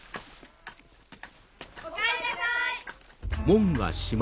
おかえりなさい！